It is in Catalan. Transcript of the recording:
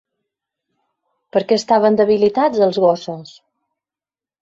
Per què estaven debilitats els gossos?